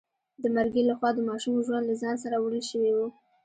د مرګي لخوا د ماشوم ژوند له ځان سره وړل شوی و.